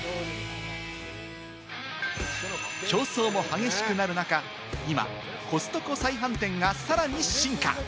競争も激しくなる中、今コストコ再販店がさらに進化！